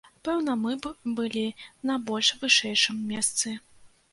Пэўна, мы б былі на больш вышэйшым месцы.